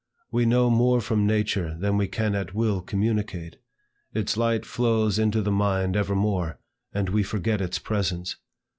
We know more from nature than we can at will communicate. Its light flows into the mind evermore, and we forget its presence.